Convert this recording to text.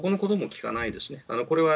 どこのことも聞かないですね。